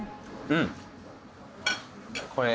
うん。